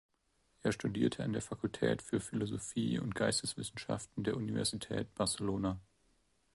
Er studierte an der Fakultät für Philosophie und Geisteswissenschaften der Universität Barcelona.